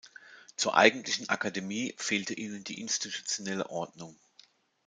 Zur eigentlichen Akademie fehlte ihnen die institutionelle Ordnung.